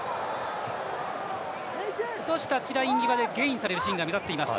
少しタッチライン際でゲインされるシーンが目立っています。